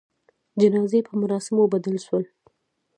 جنازې په مراسموبدل سول.